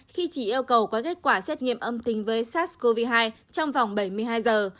khi chỉ yêu cầu có kết quả xét nghiệm âm tính với sars cov hai trong vòng bảy mươi hai giờ